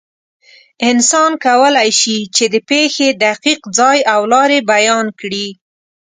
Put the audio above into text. انسان کولی شي، چې د پېښې دقیق ځای او لارې بیان کړي.